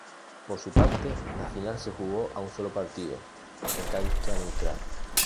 Por su parte, la final se jugó a un solo partido, en cancha neutral.